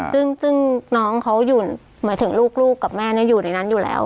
ซึ่งน้องเขาอยู่หมายถึงลูกกับแม่อยู่ในนั้นอยู่แล้ว